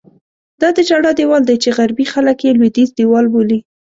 دا د ژړا دیوال دی چې غربي خلک یې لوېدیځ دیوال بولي.